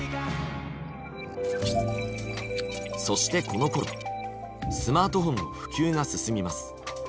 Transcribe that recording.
そしてこのころスマートフォンの普及が進みます。